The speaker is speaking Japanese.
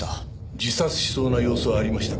自殺しそうな様子はありましたか？